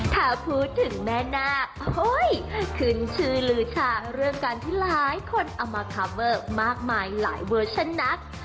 ถ้าพูดถึงแม่นาคขึ้นชื่อลือชาเรื่องการที่หลายคนเอามาคาเวอร์มากมายหลายเวอร์ชันนัก